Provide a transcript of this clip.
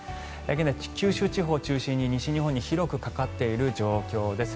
現在、九州地方を中心に西日本に広くかかっている状況です。